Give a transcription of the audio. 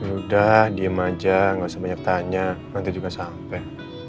udah diem aja nggak usah banyak tanya nanti juga sampai